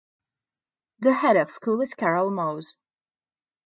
The head of school is Carol Maoz.